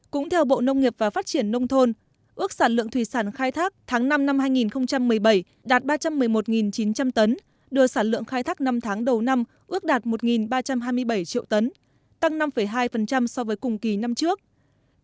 cũng theo bộ nông nghiệp và phát triển nông thôn ước sản lượng thủy sản khai thác tháng năm năm hai nghìn một mươi bảy đạt ba trăm một mươi một chín trăm linh tấn đưa sản lượng khai thác năm tháng đầu năm ước đạt một ba trăm hai mươi bảy triệu tấn tăng năm hai so với cùng kỳ năm trước